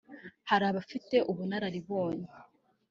Hari abafite ubunararibonye